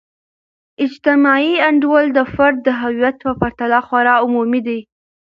اجتماعي انډول د فرد د هویت په پرتله خورا عمومی دی.